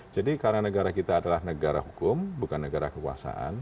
jadi karena negara kita adalah negara hukum bukan negara kekuasaan